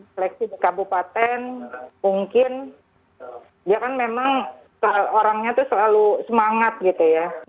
seleksi di kabupaten mungkin dia kan memang orangnya tuh selalu semangat gitu ya